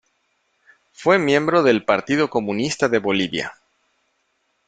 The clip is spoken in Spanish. Fue miembro del Partido Comunista de Bolivia.